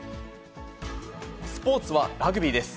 スポーツはラグビーです。